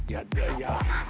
そこなの？